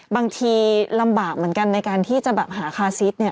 บางทีลำบากเหมือนกันในการที่จะแบบหาคาซิสเนี่ย